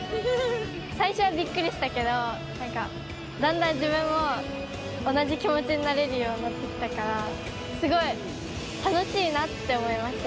最初はびっくりしたけどだんだん自分も同じ気もちになれるようになってきたからすごい楽しいなって思いました。